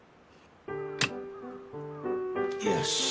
よし。